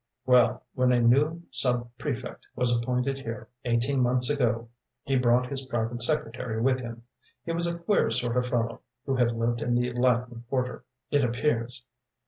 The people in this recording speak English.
“Well, when a new sub prefect was appointed here, eighteen months ago, he brought his private secretary with him. He was a queer sort of fellow, who had lived in the Latin Quarter, it appears.